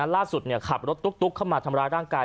ขับรถตุ๊กเข้ามาทำร้ายร่างกาย